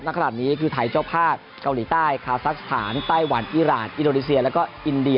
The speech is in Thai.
ขนาดนี้คือไทยเจ้าภาพเกาหลีใต้คาซักสถานไต้หวันอีรานอินโดนีเซียแล้วก็อินเดีย